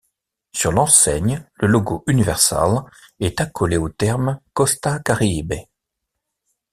Sur l'enseigne, le logo Universal est accolé au terme Costa Caribe.